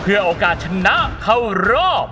เพื่อโอกาสชนะเข้ารอบ